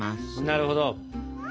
なるほど。